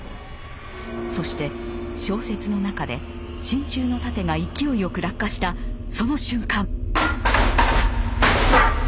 そして小説の中で真鍮の楯が勢いよく落下したその瞬間！